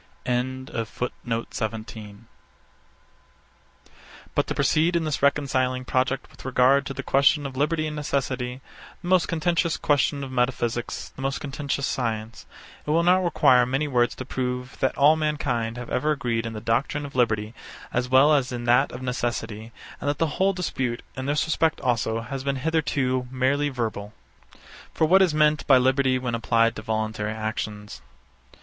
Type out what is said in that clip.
73. But to proceed in this reconciling project with regard to the question of liberty and necessity; the most contentious question of metaphysics, the most contentious science; it will not require many words to prove, that all mankind have ever agreed in the doctrine of liberty as well as in that of necessity, and that the whole dispute, in this respect also, has been hitherto merely verbal. For what is meant by liberty, when applied to voluntary actions?